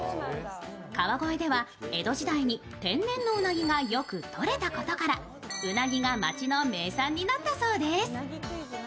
川越では江戸時代に天然のうなぎがよくとれたことからうなぎが町の名産になったそうです。